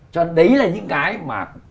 cho nên đấy là những cái mà